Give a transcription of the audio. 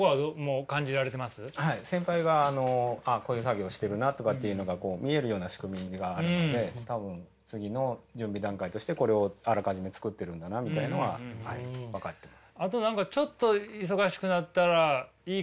先輩があのこういう作業をしてるなとかっていうのがこう見えるような仕組みがあるので多分次の準備段階としてこれをあらかじめ作ってるんだなみたいのははい分かってます。